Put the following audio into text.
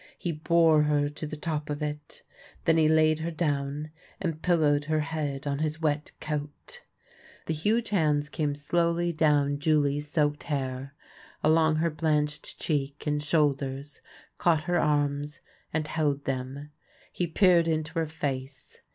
He bore her to the top of it. Then he laid her down, and pillowed her head on his wet coat. PARPON THE DWARF 229 The huge hands came slowly down Julie's soaked hair, along her blanched cheek and shoulders, caught her arms and held them. He peered into her face.